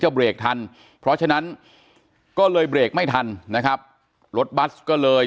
เบรกทันเพราะฉะนั้นก็เลยเบรกไม่ทันนะครับรถบัสก็เลย